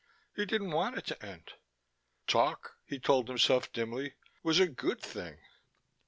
He didn't want it to end. Talk, he told himself dimly, was a good thing.